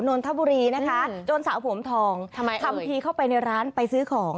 นนทบุรีนะคะจนสาวผมทองทำไมทำทีเข้าไปในร้านไปซื้อของ